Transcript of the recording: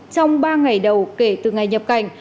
trong ba ngày đầu kể từ ngày nhập cảnh